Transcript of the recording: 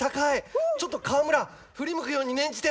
ちょっと川村振り向くように念じて！